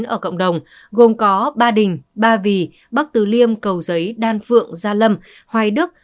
ở cộng đồng gồm có ba đình ba vì bắc tứ liêm cầu giấy đan phượng gia lâm hoài đức